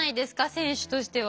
選手としては。